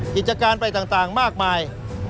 กิจการไปต่างมากมาย